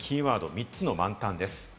「３つの満タン」です。